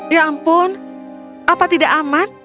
ya ampun apa tidak aman